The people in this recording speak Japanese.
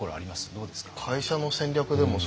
どうですか？